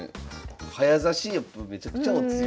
早指しやっぱめちゃくちゃお強い。